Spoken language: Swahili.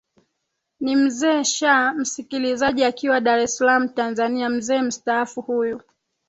ni mzee shaa msikilizaji akiwa dar es salam tanzania mzee mstaafu huyu